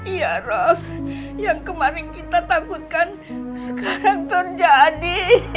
iya ros yang kemarin kita takutkan sekarang terjadi